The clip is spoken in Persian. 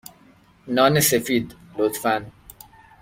نان سفید، لطفا.